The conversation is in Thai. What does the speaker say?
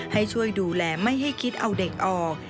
ให้ช่วยดูแลไม่ให้คิดเอาเด็กออก